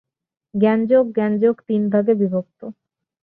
জ্ঞানযোগ জ্ঞানযোগ তিন ভাগে বিভক্ত।